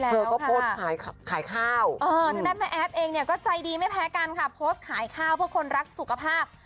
เธอก็โพสต์ขายข้าวทางด้านแม่แอฟเองเนี่ยก็ใจดีไม่แพ้กันค่ะโพสต์ขายข้าวเพื่อคนรักสุขภาพ